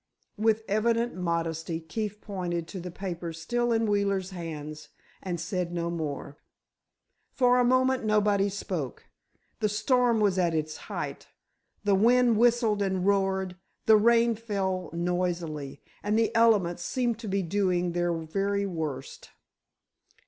With evident modesty, Keefe pointed to the paper still in Wheeler's hands, and said no more. For a moment nobody spoke. The storm was at its height. The wind whistled and roared, the rain fell noisily, and the elements seemed to be doing their very worst.